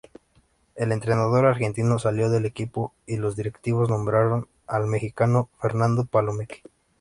El entrenador argentino salió del equipo y los directivos nombraron al mexicano Fernando Palomeque.